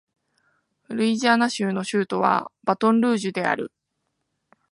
ルイジアナ州の州都はバトンルージュである